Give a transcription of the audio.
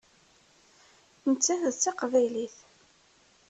Nettat d taqbaylit.